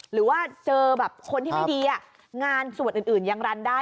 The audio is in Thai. หรือว่าเจอแบบคนที่ไม่ดีงานส่วนอื่นยังรันได้